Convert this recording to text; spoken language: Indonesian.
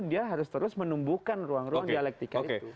dia harus terus menumbuhkan ruang ruang dialektika itu